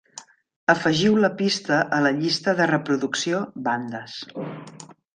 Afegiu la pista a la llista de reproducció "Bandas".